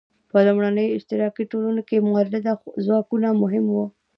په لومړنیو اشتراکي ټولنو کې مؤلده ځواکونه مهم وو.